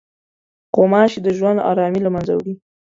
غوماشې د ژوند ارامي له منځه وړي.